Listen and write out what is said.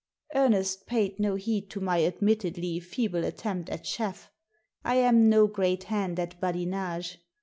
Ernest paid no heed to my admittedly feeble attempt at chaff. I am no great hand at badinage.